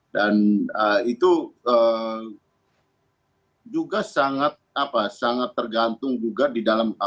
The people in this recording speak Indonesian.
dan itu juga sangat tergantung juga di dalam